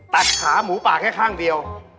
ตัดขาหมูป่าแค่ข้างเดียว